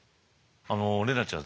あの怜奈ちゃん